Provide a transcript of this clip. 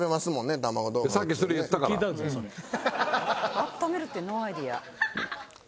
あっためるってノーアイデア。